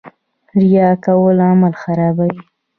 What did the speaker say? ریا کول عمل خرابوي